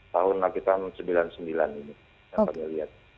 tahun lagi tahun seribu sembilan ratus sembilan puluh sembilan ini yang kami lihat